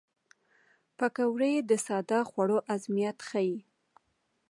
پکورې د ساده خوړو عظمت ښيي